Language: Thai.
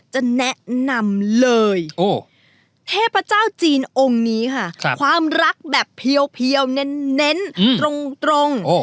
จะแนะนำเลยเทพเจ้าจีนองค์นี้ค่ะความรักแบบเพียวเน้นตรง